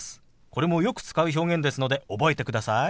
これもよく使う表現ですので覚えてください。